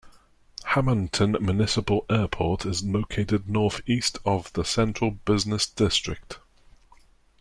Hammonton Municipal Airport is located northeast of the central business district.